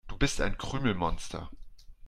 Du bist ein Krümelmonster.